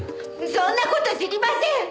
そんな事知りません！